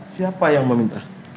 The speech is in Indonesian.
siapa yang meminta